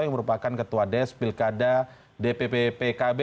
yang merupakan ketua des pilkada dpp pkb